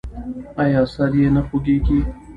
ایا سر یې نه خوږیږي؟